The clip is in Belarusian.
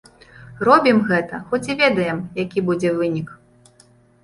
Робім гэта, хоць і ведаем, які будзе вынік.